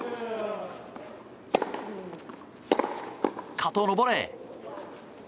加藤のボレー！